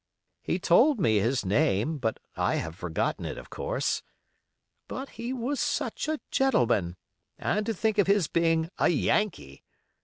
He told me his name, but I have forgotten it, of course. But he was such a gentleman, and to think of his being a Yankee!